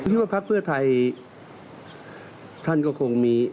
ว่าพักเพื่อไทยท่านก็คงมี